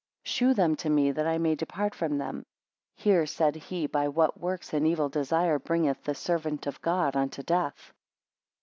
Shew them to me that I may depart from them. Hear, said he, by what works an evil desire bringeth the servants of God unto death.